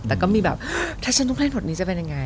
แต่ก็มีแบบถ้าฉันต้องเล่นบทนี้จะเป็นยังไง